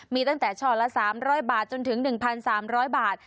มีตั้งแต่ช่อละ๓๐๐บาทจนถึง๑๓๐๐บาท